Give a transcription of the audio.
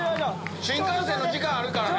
新幹線の時間あるからね！